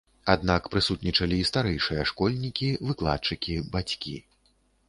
Аднак прысутнічалі і старэйшыя школьнікі, выкладчыкі, бацькі.